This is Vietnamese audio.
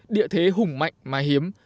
địa thế hùng mạnh mà hiếm